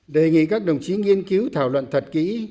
đề nghị các đồng chí nghiên cứu thảo luận thật kỹ